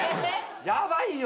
ヤバいよ！